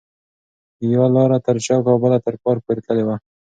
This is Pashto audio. یوه لار تر چوک او بله تر پارک پورې تللې ده.